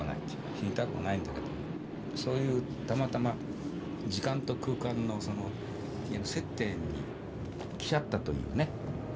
死にたくはないんだけどもそういうたまたま時間と空間のその接点に来ちゃったというね。